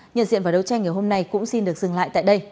nhận diện và đấu tranh ngày hôm nay cũng xin được dừng lại tại đây